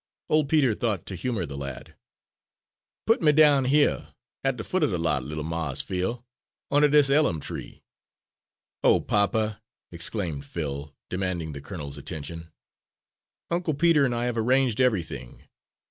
Old Peter thought to humour the lad. "Put me down hyuh at de foot er de lot, little Mars' Phil, unner dis ellum tree." "Oh, papa," exclaimed Phil, demanding the colonel's attention, "Uncle Peter and I have arranged everything.